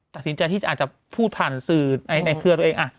ตัดสินใจที่อาจจะพูดผ่านสื่อในเครือตัวเอง